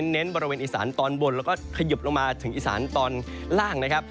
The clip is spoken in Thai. เน้นบริเวณอีสานตอนบนแล้วก็ขยบลงมาถึงอีสานตอนล่างนะครับ